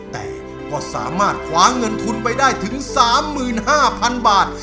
แต่ก็สามารถคว้าเงินทุนไปได้ถึง๓๕๐๐๐บาท